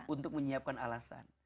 untuk menyiapkan alasan